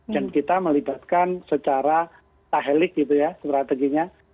dan kita melibatkan secara tahelik gitu ya strateginya